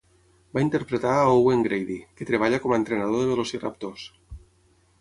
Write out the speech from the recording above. Va interpretar a Owen Grady, que treballa com a entrenador de velociraptors.